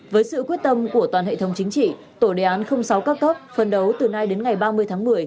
với sự quyết tâm của toàn hệ thống chính trị tổ đề án sáu các cấp phân đấu từ nay đến ngày ba mươi tháng một mươi